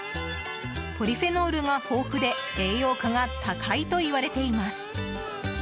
ポリフェノールが豊富で栄養価が高いといわれています。